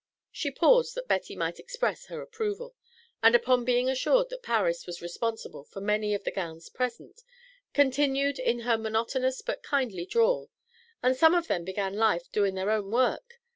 She paused that Betty might express her approval, and upon being assured that Paris was responsible for many of the gowns present, continued in her monotonous but kindly drawl, "And some of them began life doin' their own work.